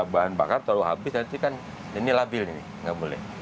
bahan bakar terlalu habis nanti kan ini labil ini nggak boleh